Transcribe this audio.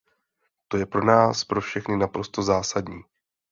To je pro nás pro všechny naprosto zásadní.